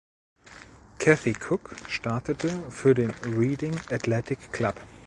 Kathy Cook startete für den "Reading Athletic Club.